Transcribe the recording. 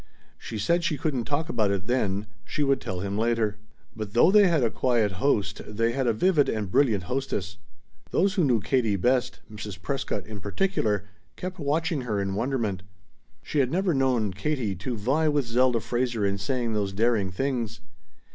She said she couldn't talk about it then; she would tell him later. But though they had a quiet host they had a vivid and a brilliant hostess. Those who knew Katie best, Mrs. Prescott in particular, kept watching her in wonderment. She had never known Katie to vie with Zelda Fraser in saying those daring things.